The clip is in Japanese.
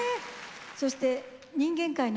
そして人間界のお二人。